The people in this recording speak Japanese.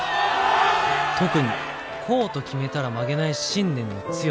特にこうと決めたら曲げない信念の強さ。